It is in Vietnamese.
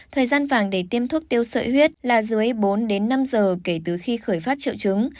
thời gian vàng để tiêm thuốc tiêu sợi huyết là dưới bốn đến năm giờ kể từ khi khởi phát triệu chứng